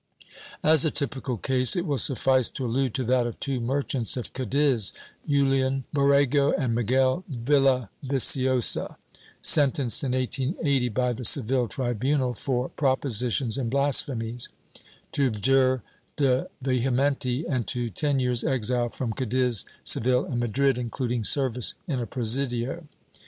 As a typical case it will suffice to allude to that of two merchants of Cadiz, Julian Borrego and Miguel Villaviciosa, sentenced in 1818 by the Seville tribunal, for "propositions and blasphemies," to abjure de vehementi and to ten years' exile from Cadiz, Seville and Madrid, including service in a presidio.